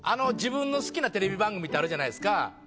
自分の好きなテレビ番組ってあるじゃないですか。